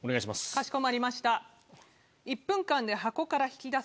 かしこまりました。